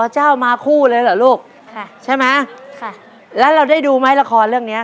เจ้ามาคู่เลยเหรอลูกค่ะใช่ไหมค่ะแล้วเราได้ดูไหมละครเรื่องเนี้ย